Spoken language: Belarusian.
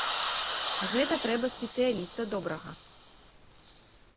Гэта трэба спецыяліста добрага.